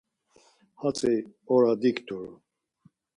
Hatzi ora dikturu.